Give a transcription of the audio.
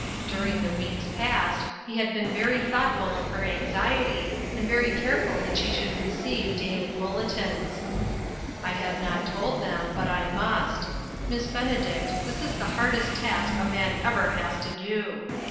During the weeks past, he had been very thoughtful of her anxiety, and very careful AN ESCAPED VICTIM. 40! that she should receive daily bulletins. " I have not told them, but I must. Miss Ben edict, this is the hardest task a man ever has to do.